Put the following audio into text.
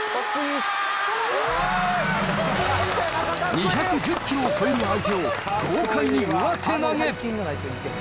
２１０キロを超える相手を豪快に上手投げ。